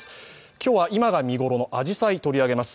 今日は今が見頃のあじさいを取り上げます。